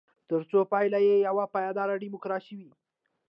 ترڅو پایله یې یوه پایداره ډیموکراسي وي.